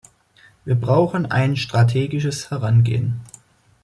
Wir brauchen ein strategisches Herangehen.